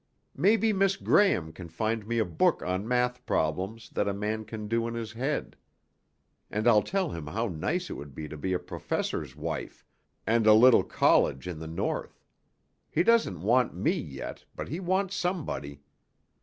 Maybe Miss Graham can find me a book on math problems that a man can do in his head. And I'll tell him how nice it would be to be a professor's wife, and a little college in the north. He doesn't want me yet, but he wants somebody...."